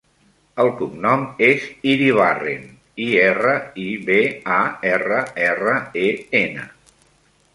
El cognom és Iribarren: i, erra, i, be, a, erra, erra, e, ena.